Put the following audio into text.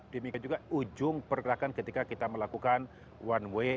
demikian juga ujung pergerakan ketika kita melakukan one way